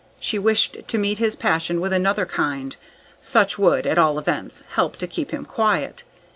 She wished to meet his passion with another kind. Such would, at all events, help to keep him quiet.